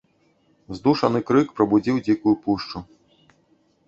Здушаны крык прабудзіў дзікую пушчу.